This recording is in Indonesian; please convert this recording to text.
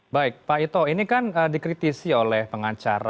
baik pak ito ini kan dikritisi oleh pengacara